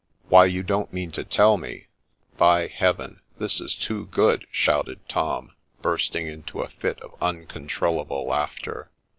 ' Why, you don't mean to tell me By Heaven, this is too good !' shouted Tom, bursting into a fit of uncontrollable laughter.